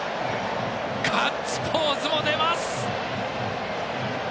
ガッツポーズも出ます！